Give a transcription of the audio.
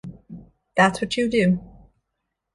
That's what you do.